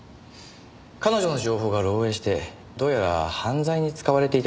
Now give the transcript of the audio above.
彼女の情報が漏洩してどうやら犯罪に使われていたようなんです。